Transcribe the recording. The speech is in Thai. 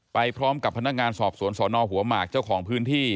ไปพร้อมกับพนักงานสอบสวนสนหัวหมากเจ้าของพื้นที่